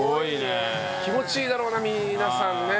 気持ちいいだろうな皆さんね。